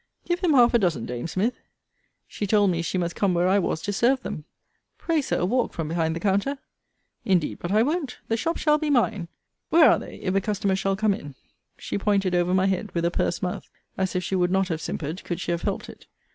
Give him half a dozen, dame Smith. She told me she must come where I was, to serve them. Pray, Sir, walk from behind the compter. Indeed but I won't. The shop shall be mine. Where are they, if a customer shall come in? She pointed over my head, with a purse mouth, as if she would not have simpered, could she have helped it.